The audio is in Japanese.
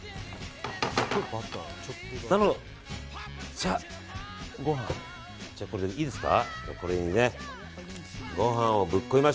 さあ、ご飯これいいですか？